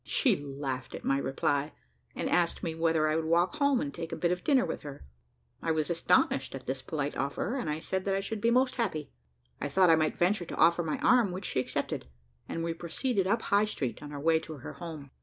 She laughed at my reply, and asked me whether I would walk home and take a bit of dinner with her. I was astonished at this polite offer, and I said that I should be most happy. I thought I might venture to offer my arm, which she accepted, and we proceeded up High Street on our way to her home.